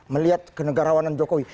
melihat kenegarawanan jokowi